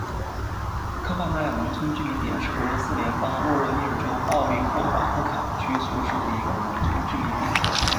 科帕纳亚农村居民点是俄罗斯联邦沃罗涅日州奥利霍瓦特卡区所属的一个农村居民点。